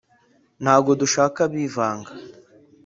ntago dushaka abivanga